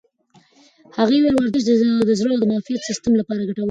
هغې وویل ورزش د زړه او معافیت سیستم لپاره ګټور دی.